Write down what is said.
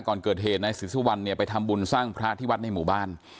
ก่อนเกิดเหตุนายศรีสุวรรณเนี่ยไปทำบุญสร้างพระที่วัดในหมู่บ้าน